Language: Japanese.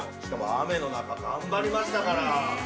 ◆雨の中、頑張りましたから。